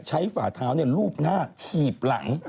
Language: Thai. ใช้ฝ่าเท้ารูปหน้าหีบหลัง